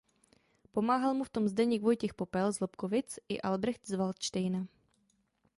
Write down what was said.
Pomáhal mu v tom Zdeněk Vojtěch Popel z Lobkovic i Albrecht z Valdštejna.